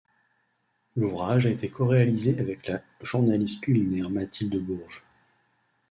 L'ouvrage a été coréalisé avec la journaliste culinaire Mathilde Bourge.